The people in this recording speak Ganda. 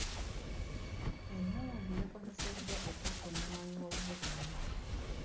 Emmundu yakozeseddwa okutta omunoonyiwoobubudamu.